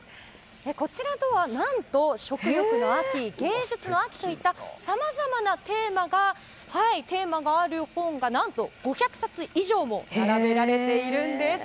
こちらには、何と食欲の秋、芸術の秋といったさまざまなテーマがある本が何と５００冊以上も並べられているんです。